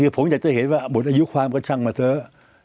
ผมอยากจะเห็นว่าหมดอายุความก็ช่างมาเถอะ